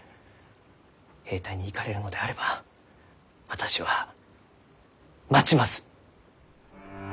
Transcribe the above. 兵隊に行かれるのであれば私は待ちます。